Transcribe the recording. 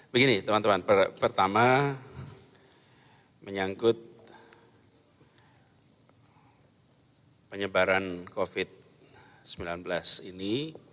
begini teman teman pertama menyangkut penyebaran covid sembilan belas ini